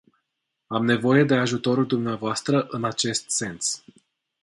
Am nevoie de ajutorul dvs în acest sens.